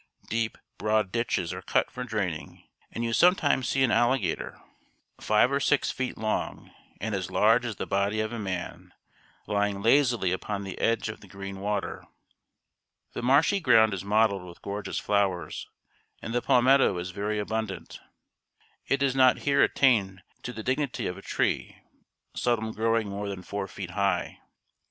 Deep, broad ditches are cut for draining, and you sometimes see an alligator, five or six feet long, and as large as the body of a man, lying lazily upon the edge of the green water. The marshy ground is mottled with gorgeous flowers, and the palmetto is very abundant. It does not here attain to the dignity of a tree, seldom growing more than four feet high.